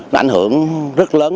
đã ảnh hưởng rất lớn